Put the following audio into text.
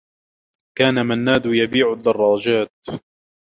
كان منّاد يبيع الدّرّاجات.